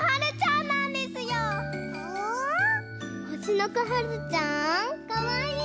ほしのこはるちゃんかわいい！